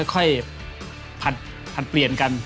ค่อยผัดเปลี่ยนกัน